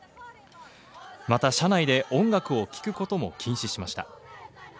また、車内で音楽を聴くことも禁止しました。